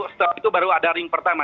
setelah itu baru ada ring pertama